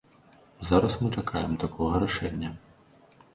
Зараз мы чакаем такога рашэння.